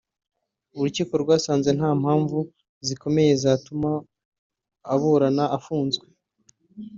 urukiko rwasanze nta mpamvu zikomeye zatuma aburana afunzwe